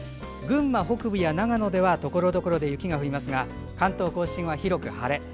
群馬北部や長野ではところどころで雪が降りますが関東・甲信は広く晴れ。